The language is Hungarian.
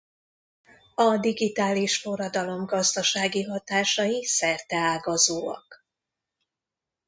A digitális forradalom gazdasági hatásai szerteágazóak.